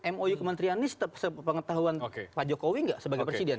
mou kementerian ini sepengetahuan pak jokowi nggak sebagai presiden